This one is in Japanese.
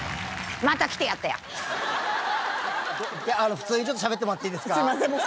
普通にちょっとしゃべってもらっていいですか？